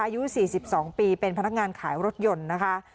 อายุ๔๒ปีเป็นพนักงานขายรถยนต์นะคะ